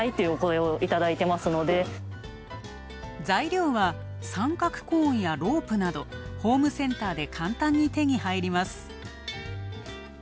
材料は、三角コーンやロープなどホームセンターで簡単に手に入ります。